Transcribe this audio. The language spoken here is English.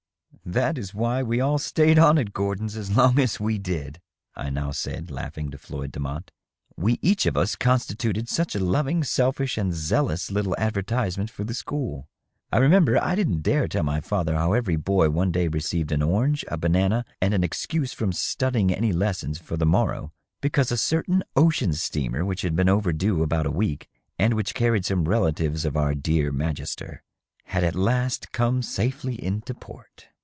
" That is why we all stayed on at Gordon's as long as we did," I now said, laughing, to Floyd Demotte. " We each of us constituted such a loving, selfish and zealous little advertisement for the school. I re memJber I didn't dare tell my father how every boy one day received an orange, a banana and an excuse from studying any lessons for the morrow, because a certain ocean steamer which had been overdue about a week, and which carried some relatives of our dear magister, had at last come safely into port.